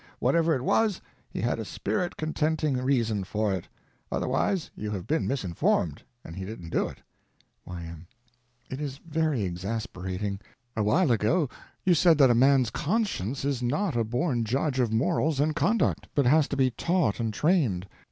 Whatever it was, he had a spirit contenting reason for it. Otherwise you have been misinformed, and he didn't do it. Y.M. It is very exasperating. A while ago you said that man's conscience is not a born judge of morals and conduct, but has to be taught and trained.